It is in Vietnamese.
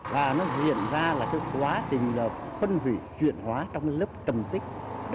và nó diễn ra là quá trình phân vỷ chuyển hóa trong lớp trầm tích